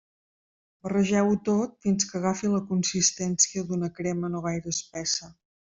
Barregeu-ho tot fins que agafi la consistència d'una crema no gaire espessa.